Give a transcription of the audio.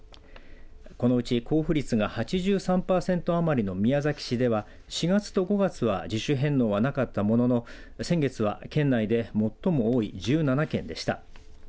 このうち交付率が８３パーセント余りの宮崎市では４月と５月は自主返納はなかったものの先月は県内で最も多い１７件でした。